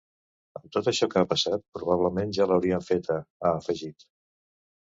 Amb tot això que ha passat probablement ja l’haurien feta, ha afegit.